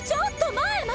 前！